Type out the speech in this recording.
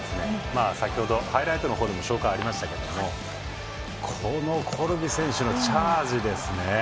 先程、ハイライトでも紹介がありましたけれどもこのコルビ選手のチャージです。